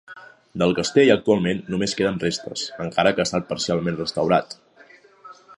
Del castell actualment només queden restes, encara que ha estat parcialment restaurat.